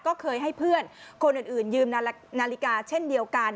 ก็เคยให้เพื่อนคนอื่นยืมนาฬิกาเช่นเดียวกัน